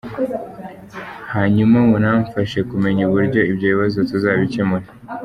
Hanyuma munamfashe kumenya uburyo ibyo bibazo tuzabicyemura.